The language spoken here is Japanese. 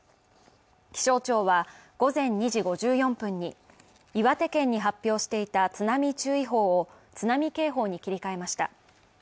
気象庁は午前２時５４分に岩手県に発表していた津波注意報を、津波警報に切り替えました。